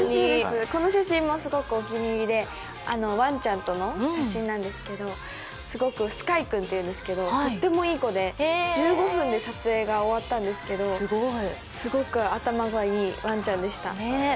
この写真もすごくお気に入りで、ワンちゃんとの写真なんですけどスカイ君ていうんですけれども、とってもいい子で１５分で撮影が終わったんですけれども、すごく頭がいいワンちゃんでした。